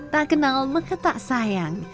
tak kenal meketak sayang